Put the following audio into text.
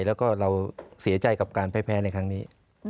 แล้วก็เราเสียใจกับการแพ้ในครั้งนี้